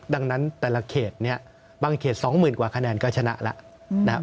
ดังนั้นแต่ละเครตนี้บางเครต๒๐๐๐๐กว่าคะแนนก็ชนะแล้ว